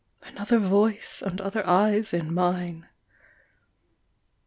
Another voice and other eyes in mine!